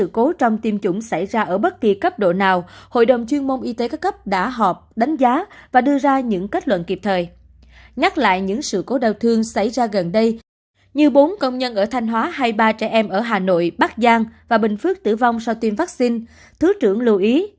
như bốn công nhân ở thanh hóa hay ba trẻ em ở hà nội bắc giang và bình phước tử vong sau tiêm vaccine thứ trưởng lưu ý